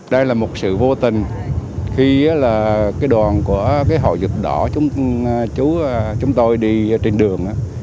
đây là một sự vô tình khi là cái đoàn của cái hội dịch đỏ chúng tôi đi trên đường